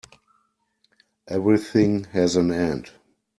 Everything has an end.